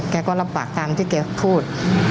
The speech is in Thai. ก็รับปากตามที่แกพูด